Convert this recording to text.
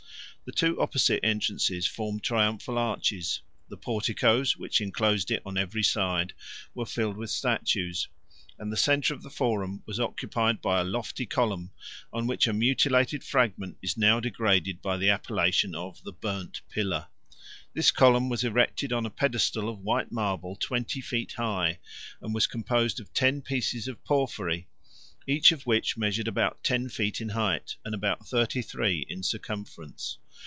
The two opposite entrances formed triumphal arches; the porticos, which enclosed it on every side, were filled with statues; and the centre of the Forum was occupied by a lofty column, of which a mutilated fragment is now degraded by the appellation of the burnt pillar. This column was erected on a pedestal of white marble twenty feet high; and was composed of ten pieces of porphyry, each of which measured about ten feet in height, and about thirty three in circumference.